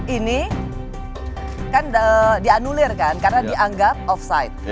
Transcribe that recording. ini kan dianulir kan karena dianggap offside